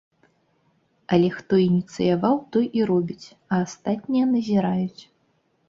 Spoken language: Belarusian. Але хто ініцыяваў, той і робіць, а астатнія назіраюць.